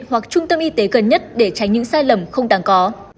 hoặc trung tâm y tế gần nhất để tránh những sai lầm không đáng có